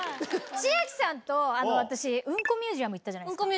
千秋さんと私うんこミュージアム行ったじゃないですか。